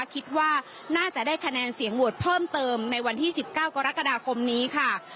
คิดว่าน่าจะได้คะแนนเสียงโหวตเพิ่มเติมในวันที่๑๙กรกฎาคมนี้ค่ะ